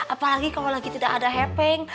apalagi kalo lagi tidak ada hepeng